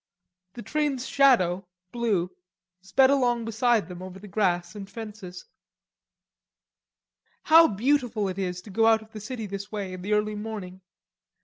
The train's shadow, blue, sped along beside them over the grass and fences. "How beautiful it is to go out of the city this way in the early morning!...